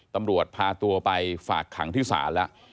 ตำรวจพาตัวไปฝากขังที่ศาลแล้ว